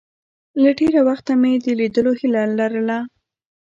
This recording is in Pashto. له ډېره وخته مې د لیدلو هیله لرله.